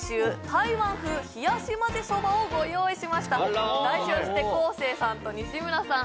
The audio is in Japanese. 台湾風冷しまぜそばをご用意しました代表して昴生さんと西村さん